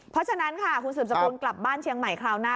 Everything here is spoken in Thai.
เพราะฉะนั้นค่ะคุณสืบสกุลกลับบ้านเชียงใหม่คราวหน้า